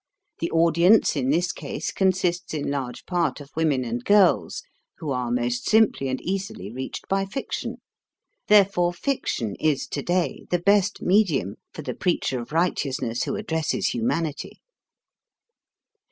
The audience in this case consists in large part of women and girls, who are most simply and easily reached by fiction. Therefore, fiction is today the best medium for the preacher of righteousness who addresses humanity.